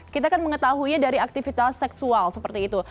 kita kan mengetahuinya dari aktivitas seksual seperti itu